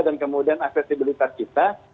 dan kemudian aksesibilitas kita